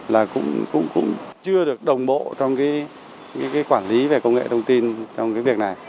là cũng chưa được đồng bộ trong cái quản lý về công nghệ thông tin trong cái việc này